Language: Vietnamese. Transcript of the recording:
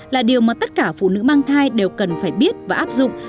là điều mà tất cả phụ nữ mang thai đều cần phải biết và áp dụng